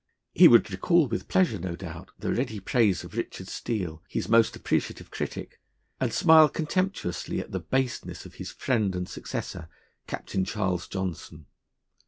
He would recall with pleasure, no doubt, the ready praise of Richard Steele, his most appreciative critic, and smile contemptuously at the baseness of his friend and successor, Captain Charles Johnson.